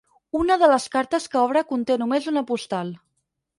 Una de les cartes que obre conté només una postal.